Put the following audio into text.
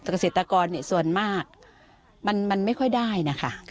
เกษตรกรส่วนมากมันไม่ค่อยได้นะคะ